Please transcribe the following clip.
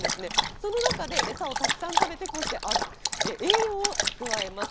その中で餌をたくさん食べて、こうして栄養を蓄えます。